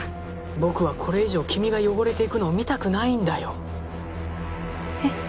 僕はこれ以上君が汚れていくのを見たくないんだよ。え？